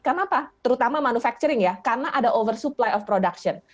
kenapa terutama manufacturing ya karena ada oversupply of production